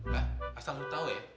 nah asal lo tau ya